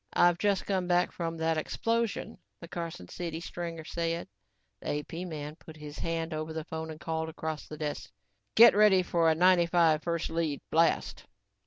"I've just come back from that explosion," the Carson City stringer said. The AP man put his hand over the phone and called across the desk. "Get ready for a '95' first lead blast."